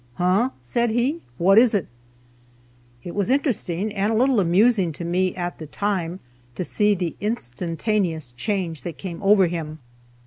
"Huh," said he, "what is it?" It was interesting, and a little amusing to me at the time, to see the instantaneous change that came over him.